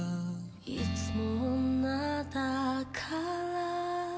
「いつも女だから」